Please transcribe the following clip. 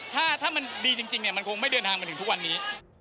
ถ้ามันดีจริงมันคงไม่เดินทางมาถึงทุกวันนี้